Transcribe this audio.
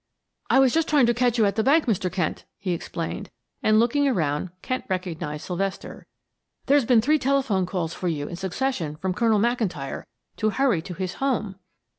"I was just trying to catch you at the bank, Mr. Kent," he explained, and looking around Kent recognized Sylvester. "There's been three telephone calls for you in succession from Colonel McIntyre to hurry to his home."